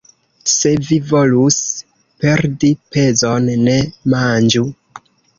Se vi volus perdi pezon, ne manĝu!